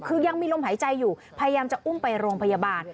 คือยังมีลมหายใจอยู่พยายามจะอุ้มไปโรงพยาบาล